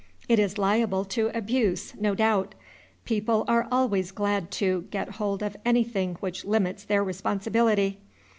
It is liable to abuse, no doubt. People are always glad to, get hold of anything which limits their responsibility.